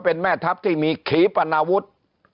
เป็นแม่ทัพที่มีขีปนาวุฒิ